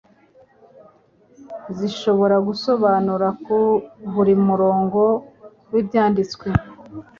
zishobora gusobanura buri murongo w’Ibyanditswe;